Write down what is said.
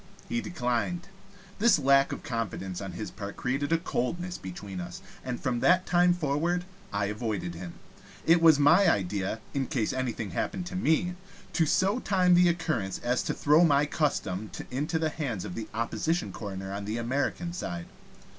He declined. This lack of confidence on his part created a coldness between us, and from that time forward I avoided him. It was my idea, in case anything happened to me, to so time the occurrence as to throw my custom into the hands of the opposition coroner on the American side.